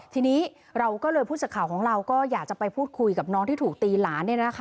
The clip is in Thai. ทีนี้เราก็เลยผู้สื่อข่าวของเราก็อยากจะไปพูดคุยกับน้องที่ถูกตีหลาน